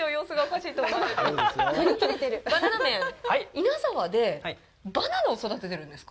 稲沢でバナナを育てているんですか。